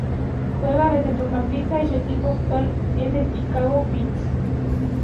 Juega de centrocampista y su equipo actual es el Chicago Fire.